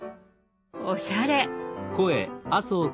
おしゃれ！